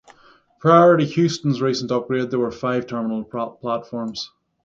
Prior to Heuston's recent upgrade, there were five terminal platforms.